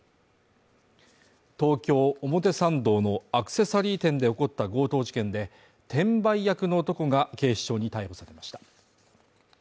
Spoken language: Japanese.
東京表参道のアクセサリー店で起こった強盗事件で、転売役の男が警視庁に逮捕されました。